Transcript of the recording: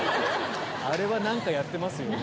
「あれは何かやってますよ」とか。